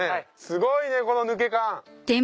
すごいねこの抜け感。